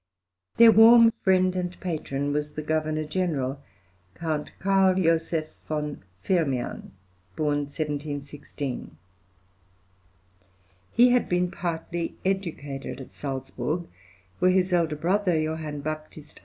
Their warm friend and patron was the Governor General, Count Carl Joseph von Firmian (b. 1716). He had been partly educated at Salzburg (where his elder brother Joh. Bapt.